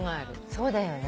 そうだよね。